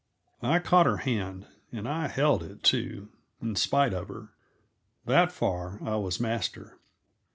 I caught her hand, and I held it, too, in spite of her. That far I was master.